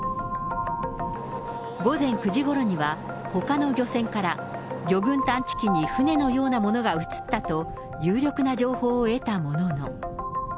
午前９時ごろには、ほかの漁船から、魚群探知機に船のようなものが映ったと有力な情報を得たものの。